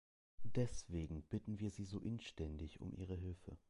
Deswegen bitten wir Sie so inständig um Ihre Hilfe.